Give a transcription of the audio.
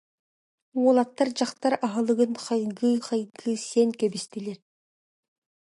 Уолаттар дьахтар аһылыгын хайгыы-хайгыы сиэн кэбистилэр